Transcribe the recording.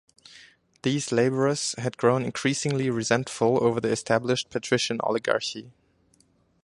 These labourers had grown increasingly resentful over the established patrician oligarchy.